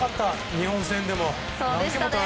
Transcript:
日本戦でも。